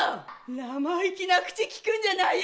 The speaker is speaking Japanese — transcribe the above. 生意気な口きくんじゃないよ。